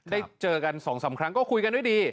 ได้เจอกันสองสามครั้งก็คุยกันด้วยดี